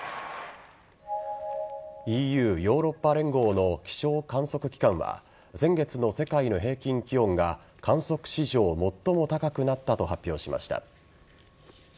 ＥＵ＝ヨーロッパ連合の気象観測機関は先月の世界の平均気温が観測史上最も高くなったと発表しました。